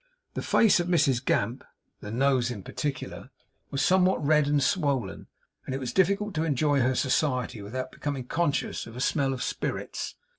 The face of Mrs Gamp the nose in particular was somewhat red and swollen, and it was difficult to enjoy her society without becoming conscious of a smell of spirits.